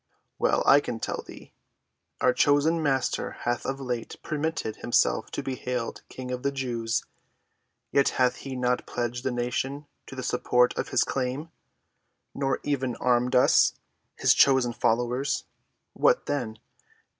Well, I can tell thee. Our chosen Master hath of late permitted himself to be hailed King of the Jews, yet hath he not pledged the nation to the support of his claim, nor even armed us, his chosen followers. What then?